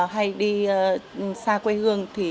hay đi xa quê hương